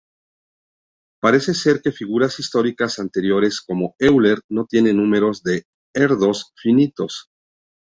Parece ser que figuras históricas anteriores, como Euler no tienen números de Erdős finitos.